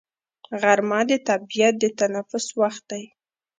غرمه د طبیعت د تنفس وخت دی